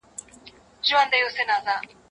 د کلاسيکو عالمانو د مشاهدې ډول نيمګړی و.